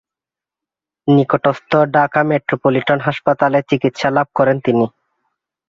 নিকটস্থ ঢাকা মেট্রোপলিটন হাসপাতালে চিকিৎসা লাভ করেন তিনি।